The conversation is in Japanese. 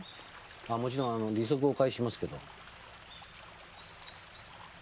もちろん利息お返ししますけど。